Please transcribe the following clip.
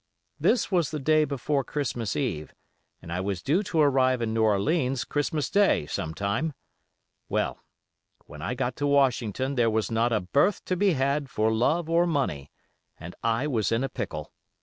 This was the day before Christmas eve and I was due to arrive in New Orleans Christmas day, some time. Well, when I got to Washington there was not a berth to be had for love or money, and I was in a pickle.